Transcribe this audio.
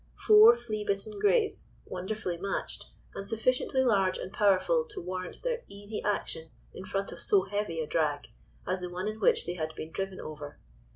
Four flea bitten greys, wonderfully matched, and sufficiently large and powerful to warrant their easy action in front of so heavy a drag, as the one in which they had been driven over.